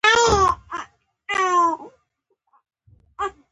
رښتیا خبره یې راته نه کوله.